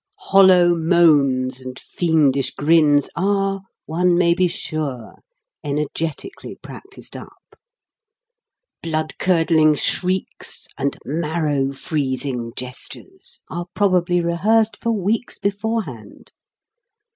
Hollow moans and fiendish grins are, one may be sure, energetically practised up. Blood curdling shrieks and marrow freezing gestures are probably rehearsed for weeks beforehand.